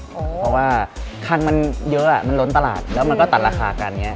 เพราะว่าคันมันเยอะมันล้นตลาดแล้วมันก็ตัดราคากันอย่างนี้